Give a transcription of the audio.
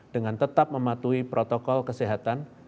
dengan tetap mematuhi protokol kesehatan